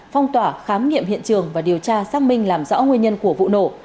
phong tỏa khám nghiệm hiện trường và điều tra xác minh làm rõ nguyên nhân của vụ nổ